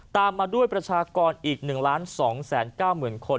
ตามมาด้วยประชากรอีก๑ล้าน๒แสนก้าวหมื่นคน